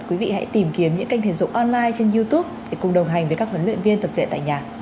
quý vị hãy tìm kiếm những kênh thể dục online trên youtube để cùng đồng hành với các huấn luyện viên tập luyện tại nhà